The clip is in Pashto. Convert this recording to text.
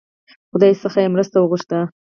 خدای څخه یې مرسته وغوښته.